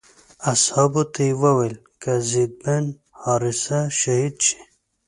اصحابو ته یې وویل که زید بن حارثه شهید شي.